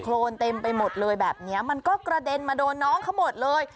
โรนเต็มไปหมดเลยแบบนี้มันก็กระเด็นมาโดนน้องเขาหมดเลย